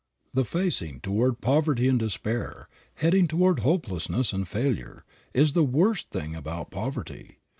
The facing toward poverty and despair, heading toward hopelessness and failure, is the worst thing about poverty.